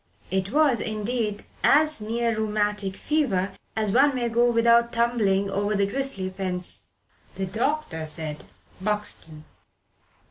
It was, indeed, as near rheumatic fever as one may go without tumbling over the grisly fence. The doctor said "Buxton."